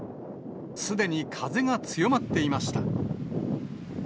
すでに風が強まっていました。